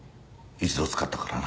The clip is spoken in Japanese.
一度使ったからな。